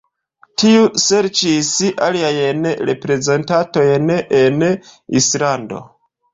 Tiu serĉis aliajn reprezentantojn en Islando.